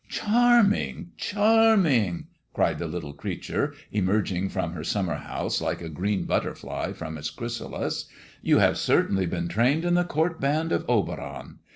" Charming, charming !" cried the little creature, emerg ing from her summer house like a green butterfly from its chrysalis. " You have certainly been trained in the court band of Oberon.